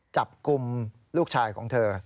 จับกลุ่มลูกชายของเธอ